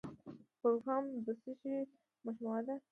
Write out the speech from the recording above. پروګرام د څه شی مجموعه ده؟